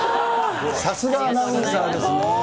さすがアナウンサーですね。